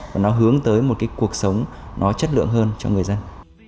và nó hướng tới một cái cuộc sống nó chất lượng hơn cho người dân